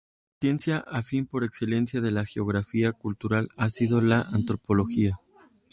La ciencia afín por excelencia de la geografía cultural ha sido la antropología.